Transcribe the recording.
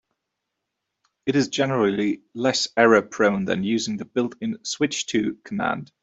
It is generally less error-prone than using the built-in "switch to" command.